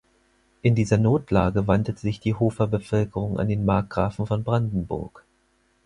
In dieser Notlage wandte sich die Hofer Bevölkerung an den Markgrafen von Brandenburg.